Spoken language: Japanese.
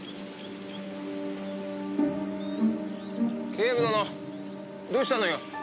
警部殿どうしたのよ。